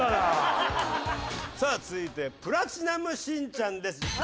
さあ続いてプラチナムしんちゃんです。